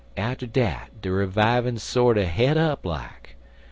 Atter dat de revivin' sorter het up like.